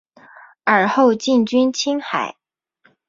尔后进军青海。